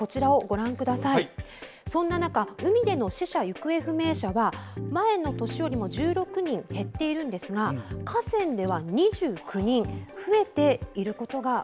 そんな中、海での死者・行方不明者は前年よりも１６人減っていますが河川では２９人増えています。